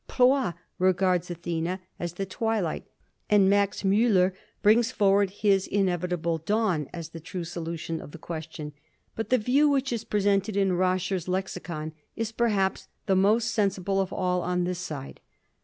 Ploix regards Athena as the twilight, and Max Müller brings forward his inevitable "Dawn" as the true solution of the question, but the view which is presented in Roscher's Lexicon is perhaps the most sensible of all on this side.